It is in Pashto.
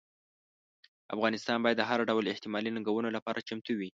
افغانستان باید د هر ډول احتمالي ننګونو لپاره چمتو وي.